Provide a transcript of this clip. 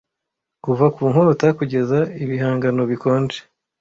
kuva ku nkota kugeza ibihangano bikonje